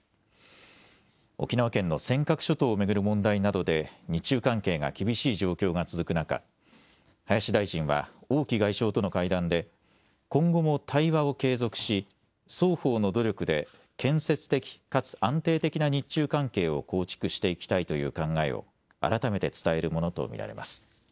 沖縄県の尖閣諸島を巡る問題などで日中関係が厳しい状況が続く中、林大臣は王毅外相との会談で今後も対話を継続し双方の努力で建設的かつ安定的な日中関係を構築していきたいという考えを改めて伝えるものと見られます。